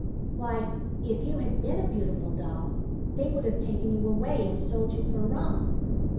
"Why, if you had been a beautiful doll they would have taken you away and sold you for rum."